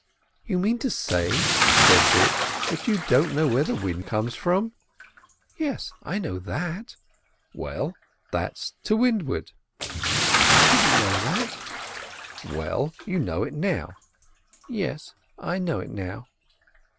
"You mean to say," said Dick, "that you don't know where the wind comes from?" "Yes, I know that." "Well, that's to windward." "I didn't know that." "Well, you know it now." "Yes, I know it now."